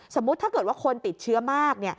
สมมุติถ้าเกิดว่าคนติดเชื้อมาก